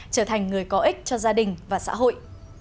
trở thành người có ích cho gia đình và xã hội